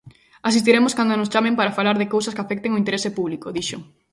"Asistiremos cando nos chamen para falar de cousas que afecten o interese público", dixo.